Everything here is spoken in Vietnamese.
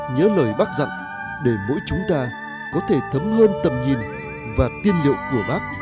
nhớ lời bác dặn để mỗi chúng ta có thể thấm hơn tầm nhìn và tiên liệu của bác